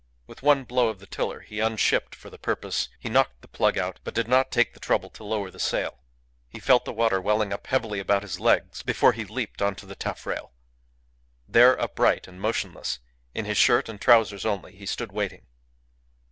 With one blow of the tiller he unshipped for the purpose, he knocked the plug out, but did not take the trouble to lower the sail. He felt the water welling up heavily about his legs before he leaped on to the taffrail. There, upright and motionless, in his shirt and trousers only, he stood waiting.